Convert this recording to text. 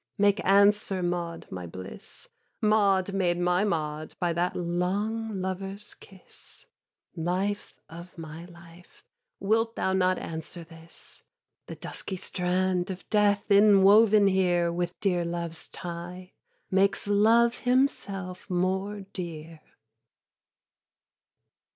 Make answer, Maud my bliss, Maud made my Maud by that long lover's kiss, Life of my life, wilt thou not answer this? 'The dusky strand of Death inwoven here With dear Love's tie, makes Love himself more dear.'